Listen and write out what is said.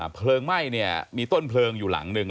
เพลิงไหม้เนี่ยมีต้นเพลิงอยู่หลังหนึ่ง